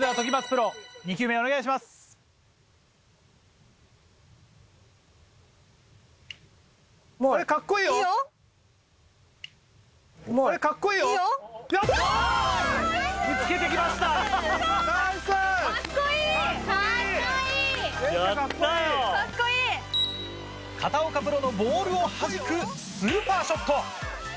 プロのボールをはじくスーパーショット。